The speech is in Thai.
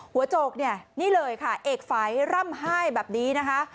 โจกเนี่ยนี่เลยค่ะเอกฝัยร่ำไห้แบบนี้นะคะ